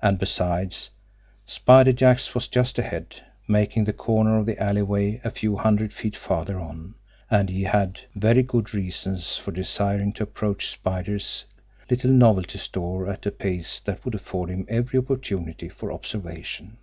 And, besides, Spider Jack's was just ahead, making the corner of the alleyway a few hundred feet farther on, and he had very good reasons for desiring to approach Spider's little novelty store at a pace that would afford him every opportunity for observation.